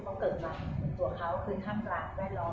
หรือเป็นอะไรที่คุณต้องการให้ดู